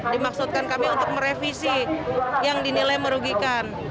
dimaksudkan kami untuk merevisi yang dinilai merugikan